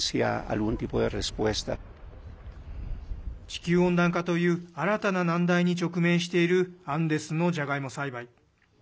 地球温暖化という新たな難題に直面しているアンデスのじゃがいも栽培。